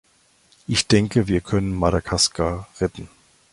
Ich denke, wir können Madagaskar retten.